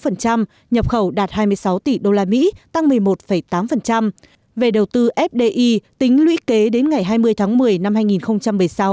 nhập khẩu đạt hai mươi sáu tỷ usd tăng một mươi một tám về đầu tư fdi tính lũy kế đến ngày hai mươi tháng một mươi năm hai nghìn một mươi sáu